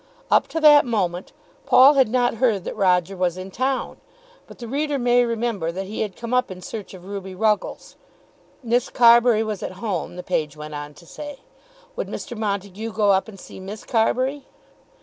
Up to that moment Paul had not heard that Roger was in town; but the reader may remember that he had come up in search of Ruby Ruggles. Miss Carbury was at home, the page went on to say. Would Mr. Montague go up and see Miss Carbury?